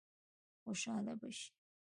خوشاله به شي.